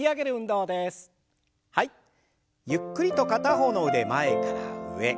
ゆっくりと片方の腕前から上。